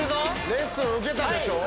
レッスン受けたでしょ！